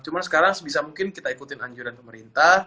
cuma sekarang sebisa mungkin kita ikutin anjuran pemerintah